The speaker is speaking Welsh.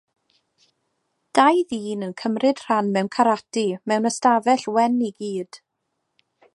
Dau ddyn yn cymryd rhan mewn carate mewn ystafell wen i gyd